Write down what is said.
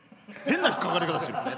変な引っ掛かり方してるよね。